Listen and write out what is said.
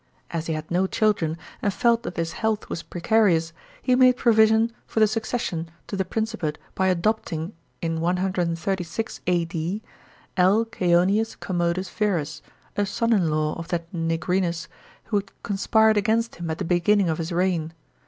As he had no children, and felt that his health was precarious, he made provision for the succession to the Princi pate by adopting, in 136 A.D., L. (Vionius Commodus Verus, a son in law of that Nigrinus who had conspired against him at the beginning of his reign.